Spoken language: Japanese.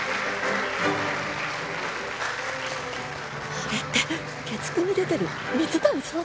あれって月９に出てる水谷聡太？